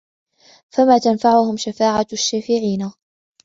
فَمَا تَنْفَعُهُمْ شَفَاعَةُ الشَّافِعِينَ